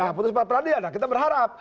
nah putus peradilan kita berharap